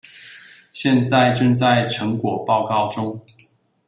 現在正在成果報告中